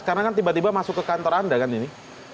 karena kan tiba tiba masuk ke kantor anda kan ini